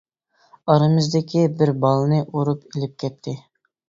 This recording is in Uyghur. ئارىمىزدىكى بىر بالنى ئۇرۇپ ئىلىپ كەتتى.